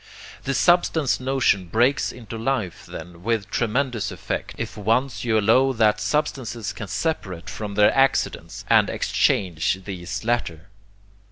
The substance notion breaks into life, then, with tremendous effect, if once you allow that substances can separate from their accidents, and exchange these latter.